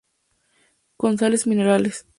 Con sales minerales.